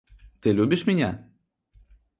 Ты любишь меня?